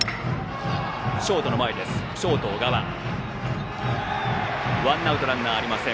ショート、小川がさばいてワンアウト、ランナーありません。